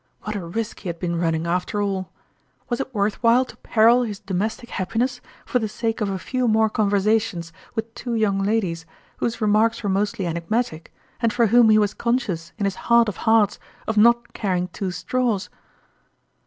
What a risk he had been running, after all ! Was it worth while to peril his domestic happiness for the sake of a few more conversations with two young ladies, whose remarks were mostly enigmatic, and for whom he was conscious in his heart of hearts of not caring two straws